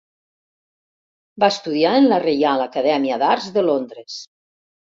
Va estudiar en la Reial Acadèmia d'Arts de Londres.